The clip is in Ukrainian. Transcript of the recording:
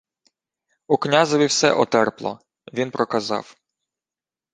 У князеві все отерпло. Він проказав: